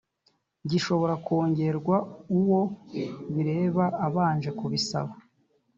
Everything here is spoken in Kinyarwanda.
gishobora kongerwa uwo bireba abanje kubisaba